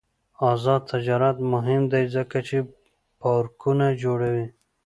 آزاد تجارت مهم دی ځکه چې پارکونه جوړوي.